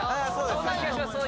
そんな気がします